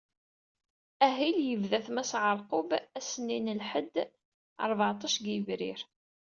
Ahil yebda-t Mass Ɛerqub ass-nni n lḥedd, rbeεṭac deg yebrir.